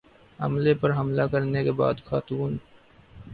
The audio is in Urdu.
عملے پر حملہ کرنے کے بعد خاتون